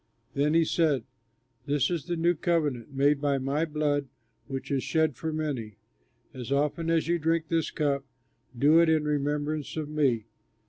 Then he said, "This is the new covenant made by my blood which is shed for many. As often as you drink this cup, do it in remembrance of me."